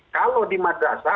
kalau di madrasah